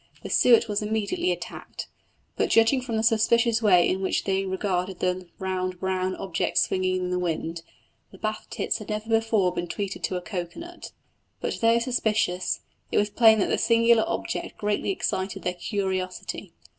The suet was immediately attacked, but judging from the suspicious way in which they regarded the round brown object swinging in the wind, the Bath tits had never before been treated to a cocoa nut. But though suspicious, it was plain that the singular object greatly excited their curiosity.